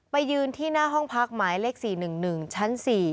ยืนที่หน้าห้องพักหมายเลข๔๑๑ชั้น๔